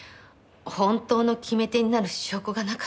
本当の決め手になる証拠がなかった。